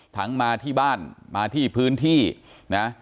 มาที่บ้านมาที่พื้นที่นะ